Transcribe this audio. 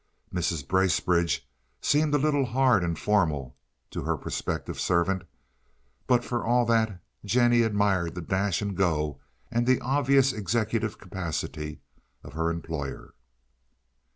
Mrs. Bracebridge seemed a little hard and formal to her prospective servant, but for all that Jennie admired the dash and go and the obvious executive capacity of her employer.